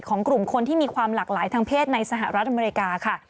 กลุ่มคนที่มีความหลากหลายทางเพศในสหรัฐอเมริกาค่ะ